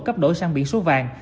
cấp đổi sang biển số vàng